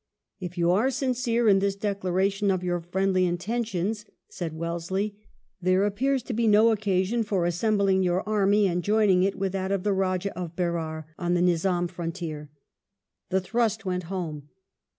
"If you are sincere in this declaration of your friendly intentions," said Wellesley, " there appears to be no occasion for assembling your army and joining it with that of the Eajah of Berar, on the Nizam's frontier." The thrust went home.